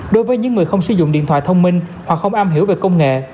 đối với những người không sử dụng điện thoại thông minh hoặc không am hiểu về công nghệ